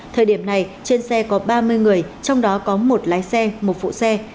thời điểm này trên xe có ba mươi người trong đó có một lái xe một phụ xe